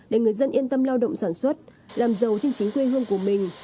để người dân yên tâm lao động sản xuất làm giàu trên chính quê hương của mình